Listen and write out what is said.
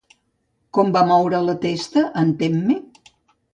Com va moure la testa en Temme?